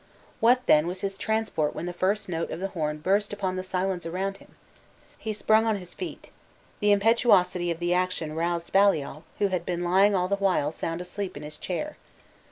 What, then, was his transport when the first note of the horn burst upon the silence around him! He sprung on his feet. The impetuosity of the action roused Baliol, who had been lying all the while sound asleep in his chair.